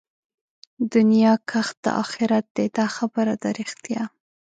دنيا کښت د آخرت دئ دا خبره ده رښتيا